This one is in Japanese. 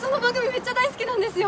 めっちゃ大好きなんですよ！